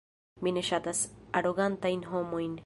Mi ne ŝatas arogantajn homojn.